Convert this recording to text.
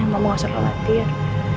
mama gak usah latih